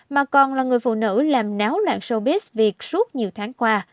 mà còn là người phụ nữ làm náo loạn showbiz việc suốt nhiều tháng qua